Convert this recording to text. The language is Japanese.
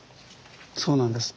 そうなんです。